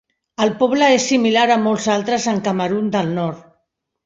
El poble és similar a molts altres en Camerun del nord.